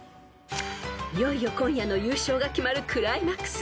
［いよいよ今夜の優勝が決まるクライマックス］